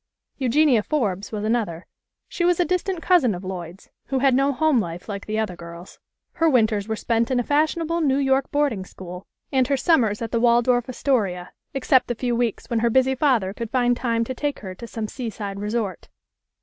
Eugenia Forbes was another. She was a dis tant cousin of Lloyd's, who had no home life like the other girls. Her winters were spent in a fashion able New York boarding school, and her summers at the Waldorf Astoria, except the few weeks when her busy father could find time to take her to some seaside resort.